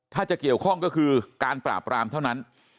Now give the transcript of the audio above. ถ้าจะเกี่ยวข้องก็คือการปราบรามเท่านั้น